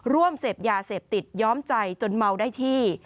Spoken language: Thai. เสพยาเสพติดย้อมใจจนเมาได้ที่